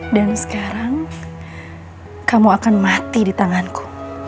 dan sekarang kamu akan mati di tanganku